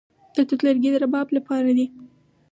د توت لرګي د رباب لپاره دي.